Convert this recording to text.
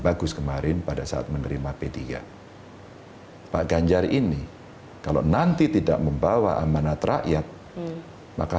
bagus kemarin pada saat menerima p tiga pak ganjar ini kalau nanti tidak membawa amanat rakyat maka